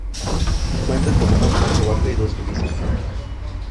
Cuenta con una planta baja y dos pisos.